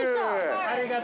ありがとう。